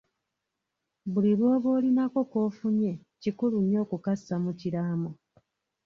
Buli lw'oba olinako k'onfunye kikulu nnyo okukassa mu kiraamo.